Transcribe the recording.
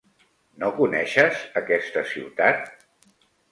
No coneixes aquesta ciutat?